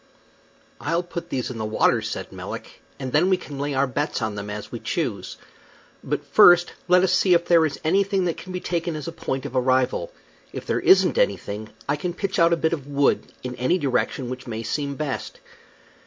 "I'll put these in the water," said Melick, "and then we can lay our bets on them as we choose. But first let us see if there is anything that can be taken as a point of arrival. If there isn't anything, I can pitch out a bit of wood, in any direction which may seem best."